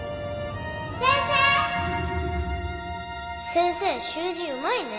先生習字うまいね